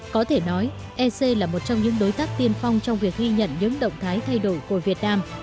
có thể nói ec là một trong những đối tác tiên phong trong việc ghi nhận những động thái thay đổi của việt nam